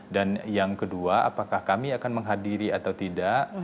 dan yang kedua apakah kami akan menghadiri atau tidak